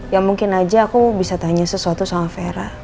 ya mungkin aja aku bisa tanya sesuatu sama vera